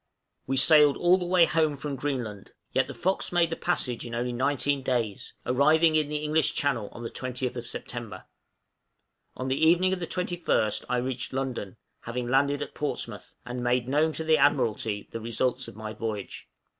We sailed all the way home from Greenland, yet the 'Fox' made the passage in only nineteen days, arriving in the English Channel on the 20th September; on the evening of the 21st I reached London (having landed at Portsmouth), and made known to the Admiralty the result of my voyage.